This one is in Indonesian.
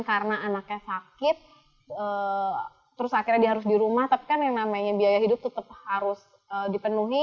karena anaknya sakit terus akhirnya dia harus di rumah tapi kan yang namanya biaya hidup tetap harus dipenuhi